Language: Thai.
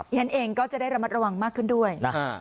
ฉันเองก็จะได้ระมัดระวังมากขึ้นด้วยนะฮะ